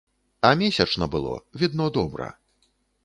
А месячна было, відно добра.